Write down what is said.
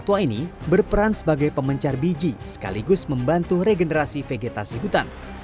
satwa ini berperan sebagai pemencar biji sekaligus membantu regenerasi vegetasi hutan